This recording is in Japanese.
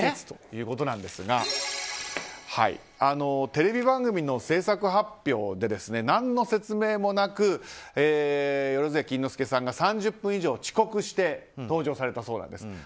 ということなんですがテレビ番組の制作発表で何の説明もなく萬屋錦之介さんが３０分以上遅刻して登場されたそうなんです。